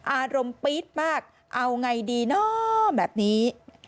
อารมณ์ปี๊ดมากเอาไงดีเนาะแบบนี้